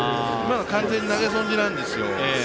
今のは完全に投げ損じなんですよ。